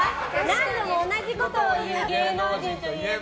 何度も同じことを言う芸能人といえば？